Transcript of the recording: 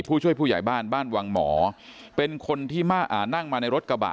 ผู้ช่วยผู้ใหญ่บ้านบ้านวังหมอเป็นคนที่นั่งมาในรถกระบะ